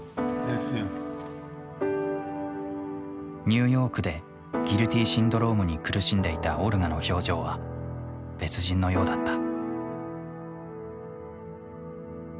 ニューヨークでギルティシンドロームに苦しんでいたオルガの表情は別人のようだった。